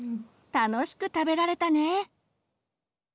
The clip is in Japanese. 楽しく食べられたね！